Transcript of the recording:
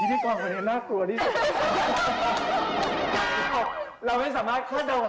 เราไม่สามารถเข้าเดินมาคำถามเลขันได้เลย